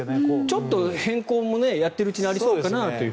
ちょっと変更もやっているうちにありそうかなと。